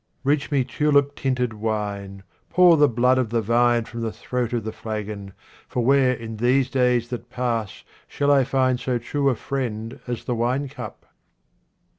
Reach me tulip tinted wine, pour the blood of the vine from the throat of the flagon, for where in these days that pass shall I find so true a friend as the wine cup